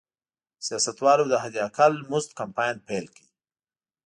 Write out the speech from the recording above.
سیاستوالو د حداقل مزد کمپاین پیل کړ.